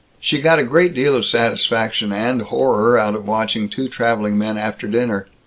She got a great deal of satisfaction and horror out of watching two traveling men after dinner.